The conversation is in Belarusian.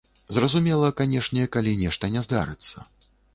Зразумела, канешне, калі нешта не здарыцца.